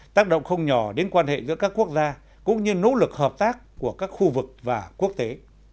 tác động không nhỏ đến quan hệ giữa các quốc gia cũng như nỗ lực hợp tác của các khu vực và quốc tế